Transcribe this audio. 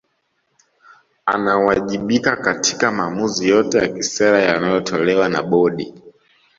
Anawajibika katika maamuzi yote ya kisera yanayotolewa na Bodi